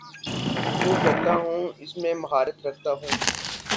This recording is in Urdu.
وہ کرتا ہوں اس میں مہارت رکھتا ہوں